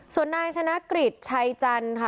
สุดในชนะกริจชายจัณฑ์ไวต์วัชกรวดจอมประสาท